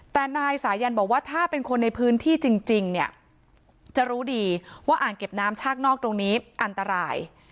แต่นายสายันบอกว่าถ้าเป็นคนในพื้นที่จริงเนี่ยจะรู้ดีว่าอ่างเก็บน้ำชากนอกตรงนี้อันตราย